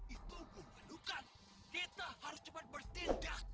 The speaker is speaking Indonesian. itu diperlukan kita harus cepat bertindak